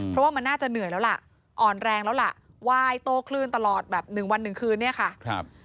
เพราะว่ามันน่าจะเหนื่อยแล้วล่ะอ่อนแรงแล้วล่ะไหว้โต้คลื่นตลอดแบบ๑วัน๑คืนเนี่ยค่ะ